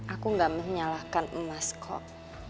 aku gak menyalahkan emas kok